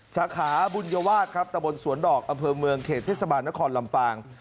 สาขาบุญวาสครับตะบนสวนดอกอำเภอเมืองเขตเทศบาลนครลำปาง